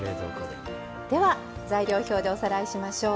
材料表でおさらいしましょう。